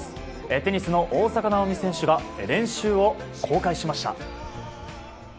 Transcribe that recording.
テニスの大坂なおみ選手が練習を公開しました。